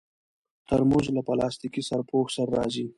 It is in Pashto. ترموز له پلاستيکي سرپوښ سره راځي.